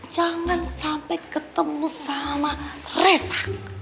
jangan sampai ketemu sama reva